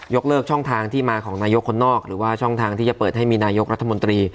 เลิกช่องทางที่มาของนายกคนนอกหรือว่าช่องทางที่จะเปิดให้มีนายกรัฐมนตรี